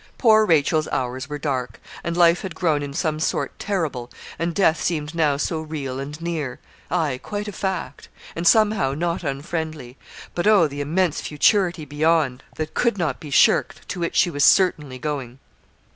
Poor Rachel's hours were dark, and life had grown in some sort terrible, and death seemed now so real and near aye, quite a fact and, somehow, not unfriendly. But, oh! the immense futurity beyond, that could not be shirked, to which she was certainly going.